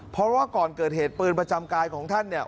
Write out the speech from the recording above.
เพราะว่าก่อนเกิดเหตุปืนประจำกายของท่านเนี่ย